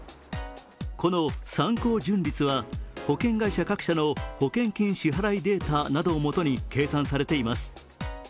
この参考純率は、保険会社各社の保険金支払いデータなどをもとに計算されています。